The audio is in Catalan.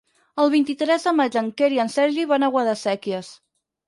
El vint-i-tres de maig en Quer i en Sergi van a Guadasséquies.